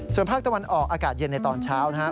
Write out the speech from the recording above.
ส่วนภาคตะวันออกอากาศเย็นในตอนเช้านะครับ